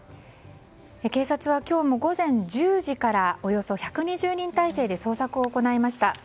警察は、今日も午前１０時からおよそ１２０人態勢で捜索を行いました。